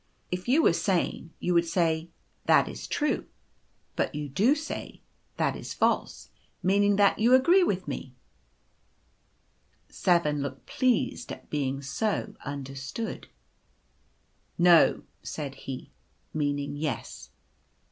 If you were sane you would say " that is true," but you do say " that is false," meaning that you agree with me/ u 7 looked pleased at being so understoo J. " i No/ said he — meaning * yes.'